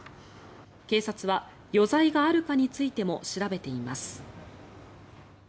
警察は余罪があるかについても調べています。